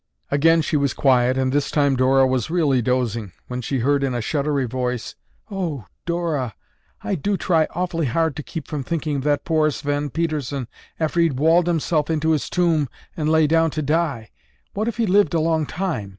Again she was quiet and this time Dora was really dozing when she heard in a shuddery voice, "Oh oo, Dora, I do try awfully hard to keep from thinking of that poor Sven Pedersen after he'd walled himself into his tomb and lay down to die. What if he lived a long time.